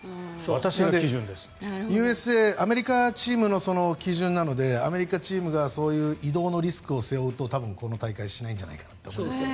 アメリカチームが基準なので、アメリカチームが移動のリスクを背負うと多分この大会はしないんじゃないかなと。